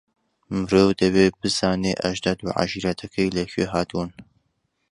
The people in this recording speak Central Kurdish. مرۆ دەبێ بزانێ ئەژداد و عەشیرەتەکەی لەکوێ هاتوون.